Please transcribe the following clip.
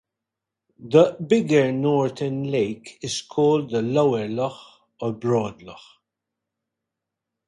The bigger northern lake is called the Lower Lough or Broad Lough.